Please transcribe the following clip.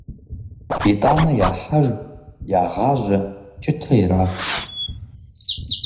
ИтӀанэ яхьэж, ягъажьэ, кӀытэ ират.